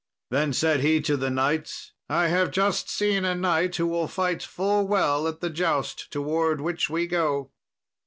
Then said he to the knights, "I have just seen a knight who will fight full well at the joust toward which we go."